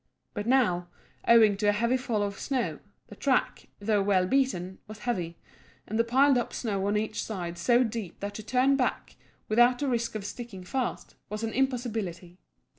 But now, owing to a heavy fall of snow, the track, though well beaten, was heavy, and the piled up snow on each side so deep that to turn back, without the risk of sticking fast, was an impossibility.